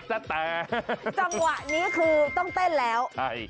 จังหวะนี้คือต้องเต้นแล้ว